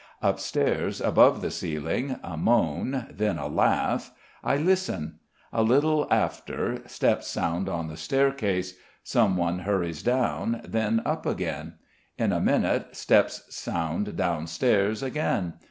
Upstairs, above the ceiling, a moan, then a laugh ... I listen. A little after steps sound on the staircase. Someone hurries down, then up again. In a minute steps sound downstairs again.